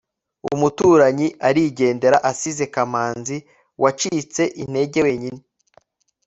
umuturanyi arigendera asize kamanzi wacitse intege wenyine